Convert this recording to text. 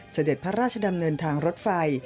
เสด็จพระราชดำเนินทางรถไฟ